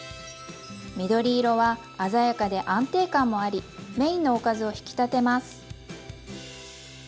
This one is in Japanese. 緑色は鮮やかで安定感もありメインのおかずを引き立てます。